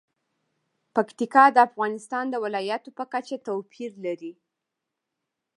پکتیکا د افغانستان د ولایاتو په کچه توپیر لري.